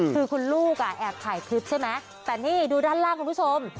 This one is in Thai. คือคุณลูกแอบถ่ายคลิปใช่ไหมแต่นี่ดูด้านล่างคุณผู้ชม